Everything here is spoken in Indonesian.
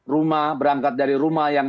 rumah berangkat dari rumah yang